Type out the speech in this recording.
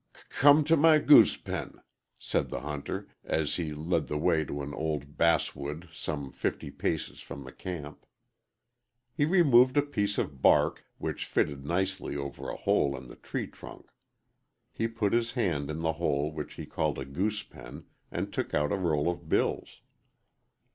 "C come to my goosepen," said the hunter, as he led the way to an old basswood some fifty paces from the camp. He removed a piece of bark which fitted nicely over a hole in the tree trunk. He put his hand in the hole which he called a goosepen and took out a roll of bills.